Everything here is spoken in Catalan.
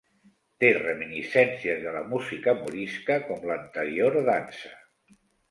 Té reminiscències de la música morisca, com l'anterior dansa.